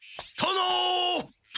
殿？